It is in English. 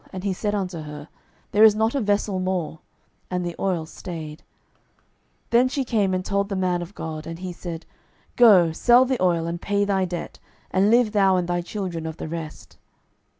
And he said unto her, There is not a vessel more. And the oil stayed. 12:004:007 Then she came and told the man of God. And he said, Go, sell the oil, and pay thy debt, and live thou and thy children of the rest.